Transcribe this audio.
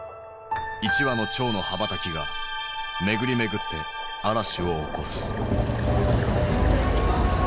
一羽の蝶の羽ばたきが巡り巡って嵐を起こす。